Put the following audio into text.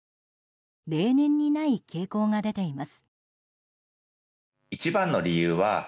例年にない傾向が出ています。